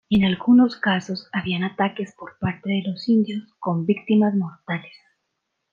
En algunos casos había ataques por parte de los indios con víctimas mortales.